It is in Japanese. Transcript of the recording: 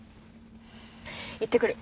行ってくる。